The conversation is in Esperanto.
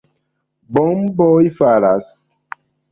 Bomboj falas.